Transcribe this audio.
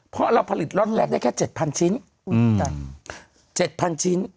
เพราะเราผลิตรอดแรกได้แค่เจ็ดพันชิ้นอืมเจ็ดพันชิ้น